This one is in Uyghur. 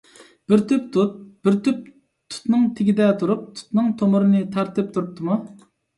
بىر تۈپ تۇت، بىر تۈپ تۇتنىڭ تېگىدە تۇرۇپ، تۇتنىڭ تۇمۇرىنى تارتىپ تۇرۇپتىمۇ؟